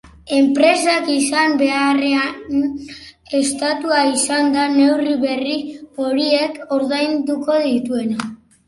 Enpresak izan beharrean, estatua izango da neurri berri horiek ordainduko dituena.